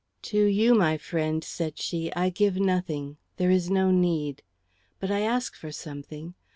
"To you, my friend," said she, "I give nothing. There is no need. But I ask for something.